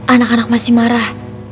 anak anak masih marah